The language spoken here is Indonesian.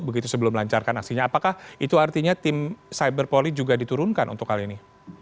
begitu sebelum melancarkan aksinya apakah itu artinya tim cyberpoly juga diturunkan untuk kali ini